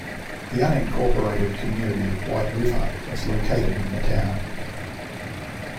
The unincorporated community of White River is located in the town.